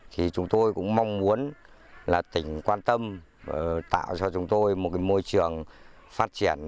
thì chúng tôi cũng mong muốn là tỉnh quan tâm tạo cho chúng tôi một môi trường phát triển